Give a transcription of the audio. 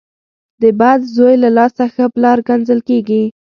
ـ د بد زوی له لاسه ښه پلار کنځل کېږي .